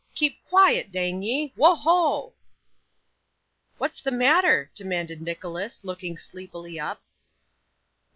Keep quiet, dang ye! Wo ho!' 'What's the matter?' demanded Nicholas, looking sleepily up.